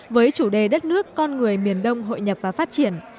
với chủ đề đất nước con người miền đông hội nhập và phát triển